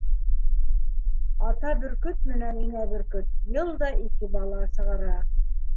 Ата бөркот менән инә бөркот йыл да ике бала сығара.